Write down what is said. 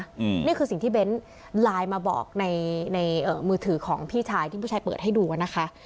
นี่คือสิ่งที่เบ้นไลน์มาบอกในในเอ่อมือถือของพี่ชายที่ผู้ชายเปิดให้ดูอ่ะนะคะ